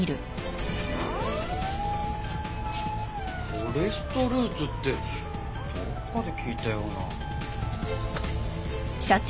「フォレストルーツ」ってどっかで聞いたような。